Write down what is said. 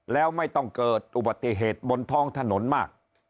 แล้วไม่ต้องเกิดอุบัติเหตุบนท้องถนนมาก